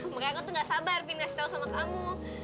makanya aku tuh gak sabar pindah setau sama kamu